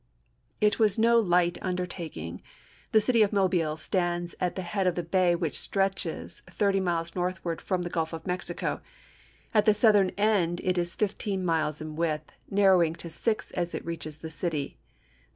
It was no light undertaking. The city of Mobile stands at the head of the bay which stretches thirty miles northward from the Gulf of Mexico. At the Southern end it is fifteen miles in width, narrowing to six as it reaches the city.